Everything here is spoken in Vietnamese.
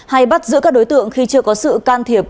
hay bắt giữa các đối tượng khi chưa có sự can thiết